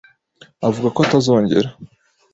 avuga ko atazongera.